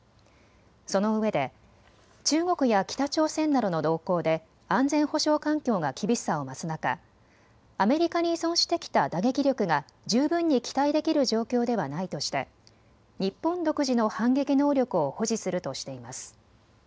そのうえで中国や北朝鮮などの動向で安全保障環境が厳しさを増す中、アメリカに依存してきた打撃力が十分に期待できる状況ではないとして日本独自の反撃能力を保持するとしています。